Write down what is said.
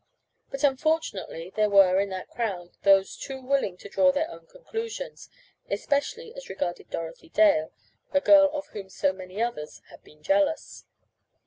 But unfortunately there were, in that crowd, those too willing to draw their own conclusions, especially as regarded Dorothy Dale, a girl of whom so many others had been jealous.